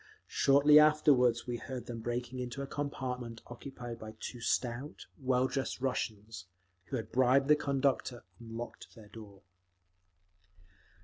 Shortly afterward we heard them breaking into a compartment occupied by two stout, well dressed Russians, who had bribed the conductor and locked their door….